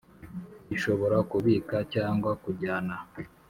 gishobora kubika cyangwa kujyana